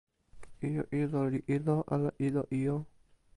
ijo ilo li ilo ala ilo ijo?